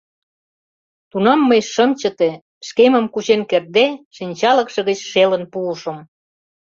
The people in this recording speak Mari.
Тунам мый шым чыте, шкемым кучен кертде, шинчалыкше гыч шелын пуышым.